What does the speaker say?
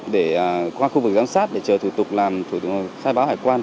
để qua khu vực giám sát để chờ thủ tục làm thủ tục khai báo hải quan